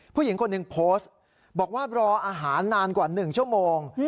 ผู้หญิงคนหนึ่งโพสต์บอกว่ารออาหารนานกว่า๑ชั่วโมง